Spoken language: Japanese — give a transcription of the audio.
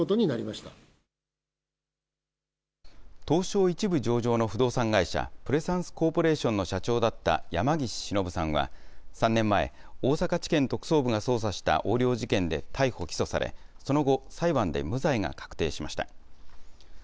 東証１部上場の不動産会社、プレサンスコーポレーションの社長だった山岸忍さんは、３年前、大阪地検特捜部が捜査した横領事件で逮捕・起訴され、その後、裁判で無罪が確定しました。